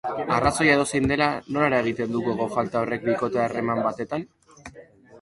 Arrazoia edozein dela, nola eragiten du gogo falta horrek bikote harreman batetan?